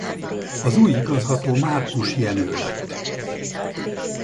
Az új igazgató Márkus Jenő lett.